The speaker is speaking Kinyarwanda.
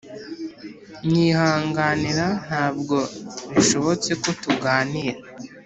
nyihanganira ntabwo bishobotse ko tuganira